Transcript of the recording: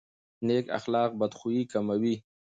نیک اخلاق بدخويي کموي.